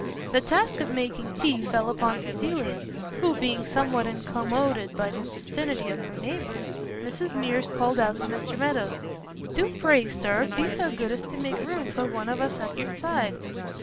The task of making tea fell upon Cecilia, who being somewhat incommoded by the vicinity of her neighbours, Mrs Mears called out to Mr Meadows "Do pray, Sir, be so good as to make room for one of us at your side."